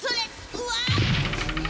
うわっ！